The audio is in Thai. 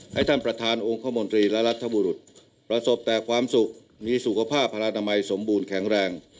ให้ท่านประธานองค์คมนตรีและรัฐบุรุษประสบแต่ความสุขมีสุขภาพพระนามัยสมบูรณ์แข็งแรง